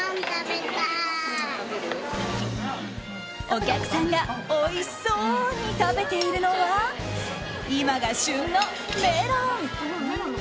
お客さんがおいしそうに食べているのは今が旬のメロン。